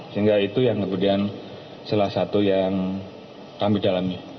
sehingga itu yang kemudian salah satu yang kami dalami